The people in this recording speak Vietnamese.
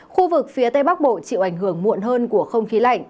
khu vực phía tây bắc bộ chịu ảnh hưởng muộn hơn của không khí lạnh